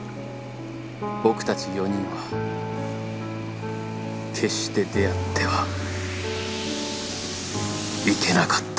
僕たち４人は決して出会ってはいけなかった